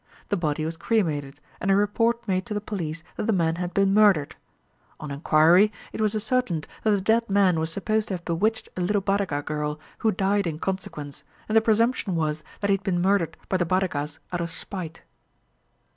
The body was cremated, and a report made to the police that the man had been murdered. On enquiry, it was ascertained that the dead man was supposed to have bewitched a little Badaga girl, who died in consequence, and the presumption was that he had been murdered by the Badagas out of spite.